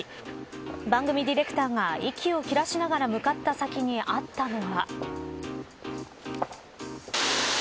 番組ディレクターが息を切らしながら向かった先にあったのは。